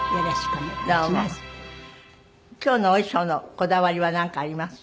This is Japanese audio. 今日のお衣装のこだわりはなんかあります？